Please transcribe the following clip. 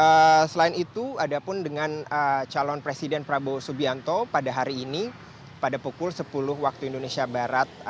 nah selain itu ada pun dengan calon presiden prabowo subianto pada hari ini pada pukul sepuluh waktu indonesia barat